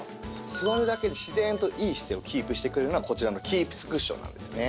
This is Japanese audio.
座るだけで自然といい姿勢をキープしてくれるのがこちらのＫｅｅｐｓクッションなんですね。